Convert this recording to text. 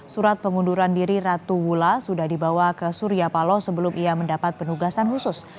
surat pengunduran diri ratu wullah sudah dibawa ke surya paloh sebelum ia mendapat penugasan khusus